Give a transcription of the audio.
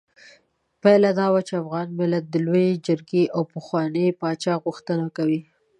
پايله دا وه چې افغان ملت د لویې جرګې او پخواني پاچا غوښتنه کوي.